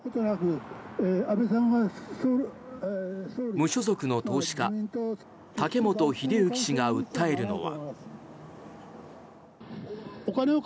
無所属の投資家竹本秀之氏が訴えるのは。